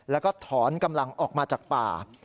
แล้วก็ถอนกำลังออกมาจากป่า